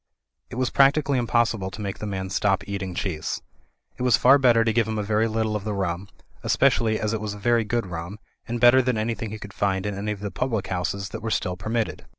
It was practically impossible to make the man stop eating cheese. It was far better to give him a very little of the rum, espe cially as it was very good rum, and better than any thing he could find in any of the public houses that were still permitted.